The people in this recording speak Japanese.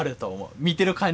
見てる感じ。